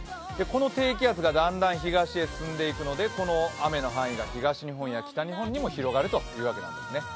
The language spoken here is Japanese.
この低気圧がだんだん東へ進んでいくので雨の範囲が東日本や北日本にも広がるというわけなんですね。